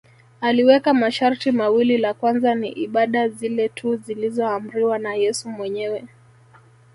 Aliweka masharti mawili la kwanza ni ibada zile tu zilizoamriwa na Yesu mwenyewe